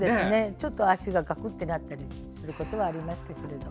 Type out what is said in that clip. ちょっと足ががくんとなったりすることはありましたけども。